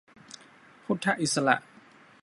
พุทธอิสระ